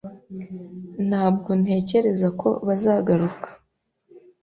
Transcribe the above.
Ntabwo ntekereza ko bazagaruka.